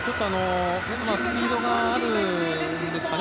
スピードがあるんですかね？